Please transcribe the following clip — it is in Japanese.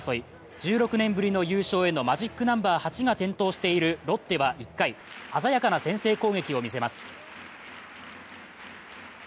１６年ぶりの優勝へのマジックナンバー８が点灯しているロッテは１回、鮮やかな先制攻撃を見せます。